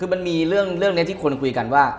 คือมันมีเรื่องนี้ที่คนคุยกันว่า